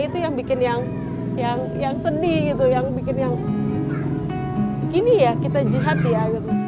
itu yang bikin yang seni gitu yang bikin yang gini ya kita jihad ya